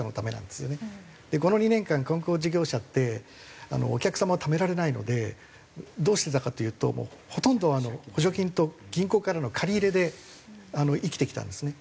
この２年間観光事業者ってお客様をためられないのでどうしてたかというとほとんど補助金と銀行からの借り入れで生きてきたんですね。